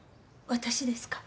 私ですか？